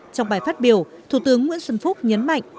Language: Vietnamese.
trong bài phát biểu thủ tướng nguyễn xuân phúc nhấn mạnh